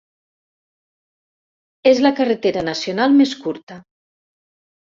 És la carretera nacional més curta.